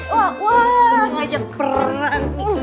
wah ngajak perang